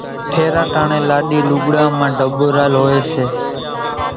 ڦيران ٽاڻيَ لاڏِي لُوڳڙان مان ڍٻورال هوئيَ سي۔